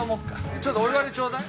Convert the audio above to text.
ちょっとお湯割りちょうだい。